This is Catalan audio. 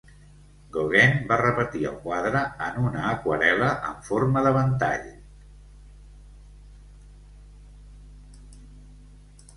Gauguin va repetir el quadre en una aquarel·la en forma de ventall.